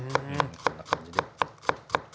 こんな感じで。